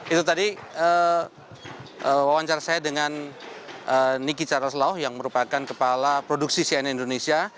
itu tadi wawancar saya dengan niki charles law yang merupakan kepala produksi cn indonesia